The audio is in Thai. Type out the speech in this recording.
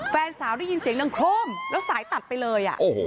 แฟนสาวได้ยินเสียงดังโครมแล้วสายตัดไปเลย